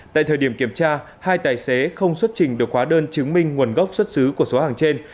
tại thời điểm kiểm tra hai tài xế không xuất trình được hóa đơn chứng minh nguồn gốc xuất xứ của số hàng trên